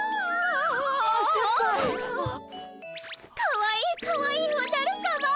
かわいいかわいいおじゃるさま。